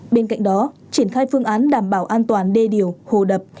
bên cạnh đó triển khai phương án đảm bảo an toàn đê điều hồ đập